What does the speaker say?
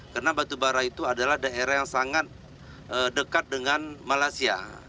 karena batubara itu adalah daerah yang sangat dekat dengan malaysia